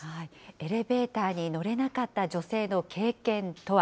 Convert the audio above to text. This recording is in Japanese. エレベーターに乗れなかった女性の経験とは。